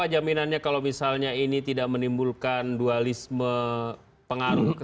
apa jaminannya kalau misalnya ini tidak menimbulkan dualisme pengaruh